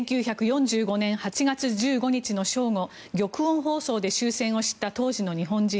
１９４５年８月１５日の正午玉音放送で終戦を知った当時の日本人。